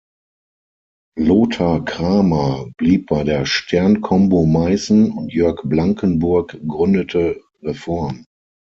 Lothar Kramer blieb bei der Stern-Combo Meißen und Jörg Blankenburg gründete Reform.